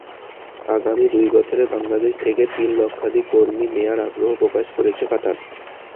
আগামী দুই বছরে বাংলাদেশ থেকে তিন লক্ষাধিক কর্মী নেওয়ার আগ্রহ প্রকাশ করেছে কাতার।